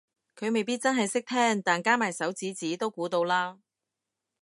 佢未必真係識聽但加埋手指指都估到啦